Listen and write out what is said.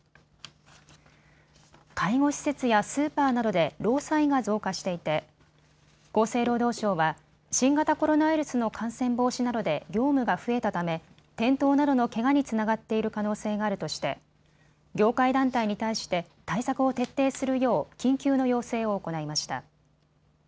介護施設やスーパーなどで労災が増加していて厚生労働省は新型コロナウイルスの感染防止などで業務が増えたため転倒などのけがにつながっている可能性があるとして業界団体に対して対策を徹底するよう緊急の要請を行いました。